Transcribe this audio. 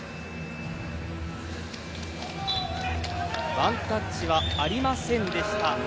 ワンタッチはありませんでした。